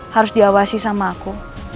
harus diawasi sama aku